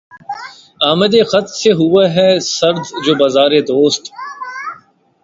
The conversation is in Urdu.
آمدِ خط سے ہوا ہے سرد جو بازارِ دوست